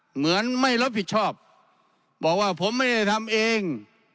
เหมือนไม่รับผิดชอบบอกว่าผมไม่ได้ทำเอง